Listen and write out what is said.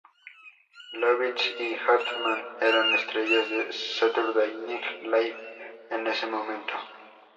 Lovitz y Hartman eran estrellas de Saturday Night Live en ese momento.